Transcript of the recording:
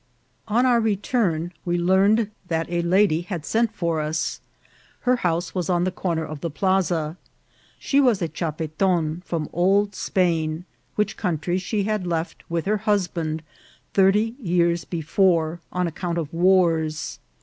On our return we learned that a lady had sent for us. Her house was on the corner of the plaza. She was a chapetone from Old Spain, which country she had left with her husband thirty years before, on account of wars.